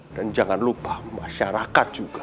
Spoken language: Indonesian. dan jangan lupa masyarakat juga